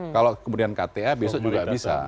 kalau kemudian kta besok juga bisa